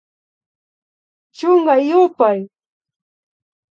Chunka yupay